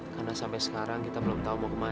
karena sampai sekarang kita belum tahu mau kemana